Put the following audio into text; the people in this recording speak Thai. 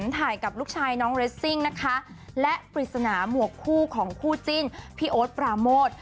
ถ่ายกับลูกชายน้องเรสซิ่งนะคะและปริศนาหมวกคู่ของคู่จิ้นพี่โอ๊ตปราโมท